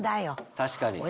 確かに。